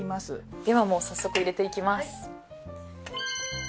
ではもう早速入れていきます。